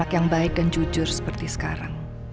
anak yang baik dan jujur seperti sekarang